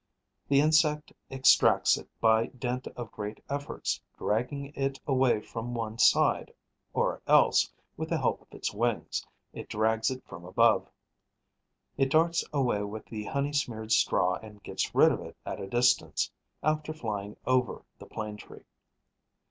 The insect extracts it by dint of great efforts, dragging it away from one side; or else, with the help of its wings, it drags it from above. It darts away with the honey smeared straw and gets rid of it at a distance, after flying over the plane tree.